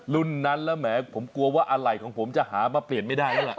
รุ่นนั้นแล้วแหมผมกลัวว่าอะไรของผมจะหามาเปลี่ยนไม่ได้แล้วล่ะ